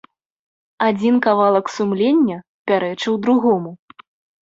Адзін кавалак сумлення пярэчыў другому.